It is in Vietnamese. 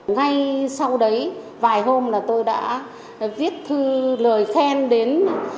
ngay sau đấy vài hôm là tôi đã viết thư lời khen đến